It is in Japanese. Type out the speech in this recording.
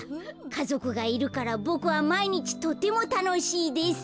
かぞくがいるからボクはまいにちとてもたのしいです」。